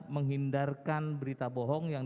menghindarkan berita bohong yang